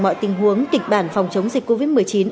mọi tình huống kịch bản phòng chống dịch covid một mươi chín